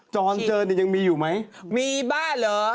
จรเกิดยังมีอยู่ไหมมีบ้าเหรอ